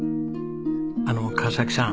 あの川さん